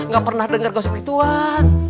gak pernah denger gosip gituan